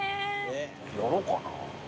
やろうかな。